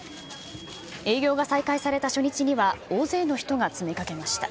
営業が再開された初日には、大勢の人が詰めかけました。